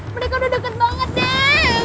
pergi lu pergi lu hei